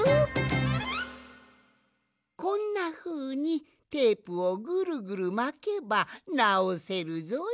こんなふうにテープをぐるぐるまけばなおせるぞい。